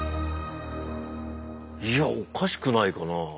いやおかしくないかな。